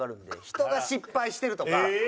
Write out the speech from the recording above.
人が失敗してるとか。